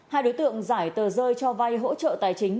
hai đối tượng giải tờ rơi cho vay hỗ trợ tài chính